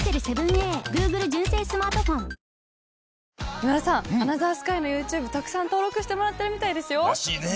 今田さん『アナザースカイ』のＹｏｕＴｕｂｅたくさん登録してもらってるみたいですよ。らしいね。